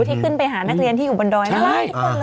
ที่ขึ้นไปหานักเรียนที่อยู่บนดอยแล้วไง